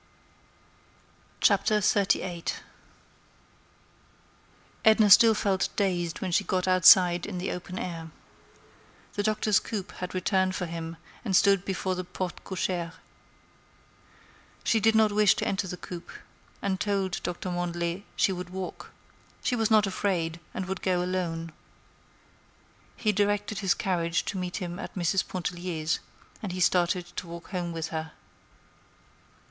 XXXVIII Edna still felt dazed when she got outside in the open air. The Doctor's coupé had returned for him and stood before the porte cochère. She did not wish to enter the coupé, and told Doctor Mandelet she would walk; she was not afraid, and would go alone. He directed his carriage to meet him at Mrs. Pontellier's, and he started to walk home with her.